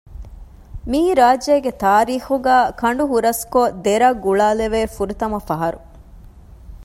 މިއީ ރާއްޖޭގެ ތާރީޚުގައި ކަނޑު ހުރަސްކޮށް ދެރަށް ގުޅާލެވޭ ފުރަތަމަ ފަހަރު